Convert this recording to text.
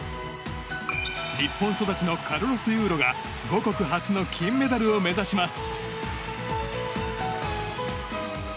日本育ちのカルロス・ユーロが母国初の金メダルを目指します。